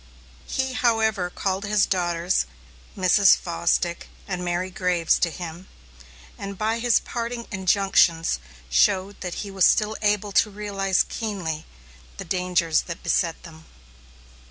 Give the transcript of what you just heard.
He, however, called his daughters, Mrs. Fosdick and Mary Graves, to him, and by his parting injunctions, showed that he was still able to realize keenly the dangers that beset them.